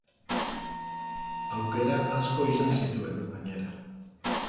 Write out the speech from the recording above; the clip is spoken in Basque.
Aukera asko izan zituen, gainera.